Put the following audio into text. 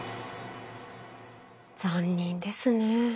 残忍ですね。